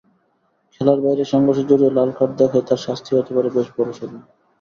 খেলার বাইরে সংঘর্ষে জড়িয়ে লালকার্ড দেখায় তাঁর শাস্তি হতে পারে বেশ বড়সড়ই।